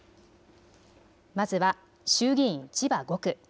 まずは衆議院千葉５区。